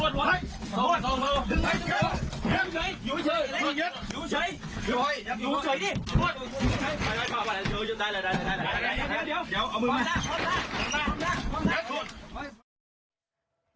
เดี๋ยวเอามือมา